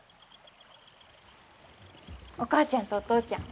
お母ちゃんとお父ちゃん